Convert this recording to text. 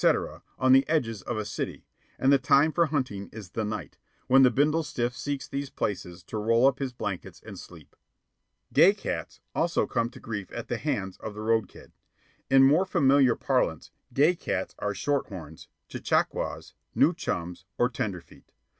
on the edges of a city, and the time for hunting is the night, when the bindle stiff seeks these places to roll up in his blankets and sleep. "Gay cats" also come to grief at the hands of the road kid. In more familiar parlance, gay cats are short horns, chechaquos, new chums, or tenderfeet.